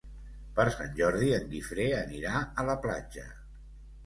Per Sant Jordi en Guifré anirà a la platja.